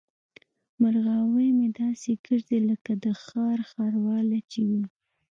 مرغاوۍ مې داسې ګرځي لکه د ښار ښارواله چې وي.